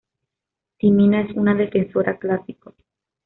Timina es una defensora clásico.